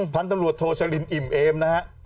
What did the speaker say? ท่านตำรวจโทชลินอิ่มเอมนะฮะ